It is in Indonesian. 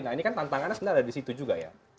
nah ini kan tantangannya sebenarnya ada di situ juga ya